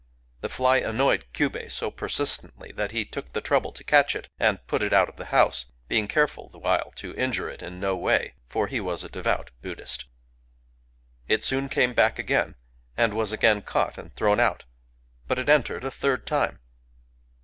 The fly annoyed Kyubei so persistently that he took the trouble to catch it, and put it out of the house, — being careful the while to injure it in no way ; for he was a devout Buddhist. It soon came back again, and was again caught and thrown out; but it entered a third time.